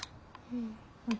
うん。